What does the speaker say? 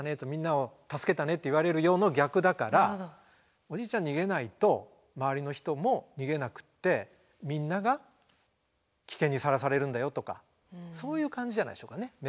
みんなを助けたね」って言われるよの逆だから「おじいちゃん逃げないと周りの人も逃げなくってみんなが危険にさらされるんだよ」とかそういう感じじゃないでしょうかね。